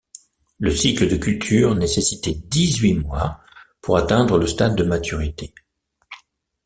Le cycle de culture nécessitait dix-huit mois pour atteindre le stade de maturité.